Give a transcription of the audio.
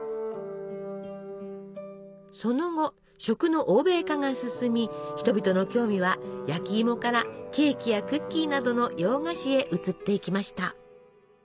その後食の欧米化が進み人々の興味は焼きいもからケーキやクッキーなどの洋菓子へ移っていきました。